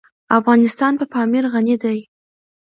افغانستان په پامیر غني دی.